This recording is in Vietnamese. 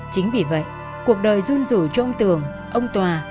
chính vì vậy cuộc đời dung rủ cho ông tường ông tòa